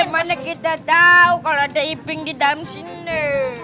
mana kita tahu kalau ada ibing di dalam sini